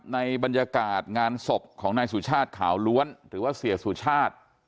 ในบรรยากาศงานศพของนายสุชาติขาวล้วนหรือว่าเสียสุชาติ